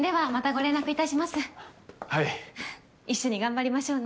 一緒に頑張りましょうね。